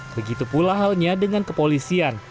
begitu pula halnya dengan kepolisian